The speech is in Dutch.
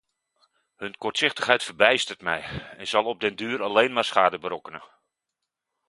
Hun kortzichtigheid verbijstert mij en zal op den duur alleen maar schade berokkenen.